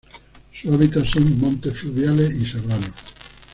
Su hábitat son montes fluviales y serranos.